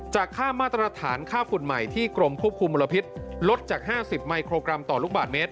ค่ามาตรฐานค่าฝุ่นใหม่ที่กรมควบคุมมลพิษลดจาก๕๐มิโครกรัมต่อลูกบาทเมตร